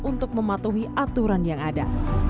untuk mematuhi aturan yang ada